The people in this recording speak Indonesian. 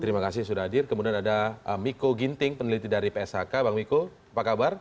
terima kasih sudah hadir kemudian ada miko ginting peneliti dari pshk bang miko apa kabar